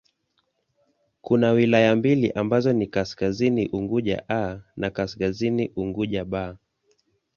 Kuna wilaya mbili ambazo ni Kaskazini Unguja 'A' na Kaskazini Unguja 'B'.